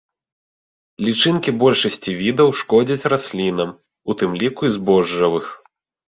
Лічынкі большасці відаў шкодзяць раслінам, у тым ліку і збожжавых.